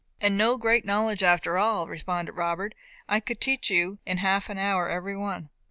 "And no great knowledge after all," responded Robert. "I could teach you in half an hour every one."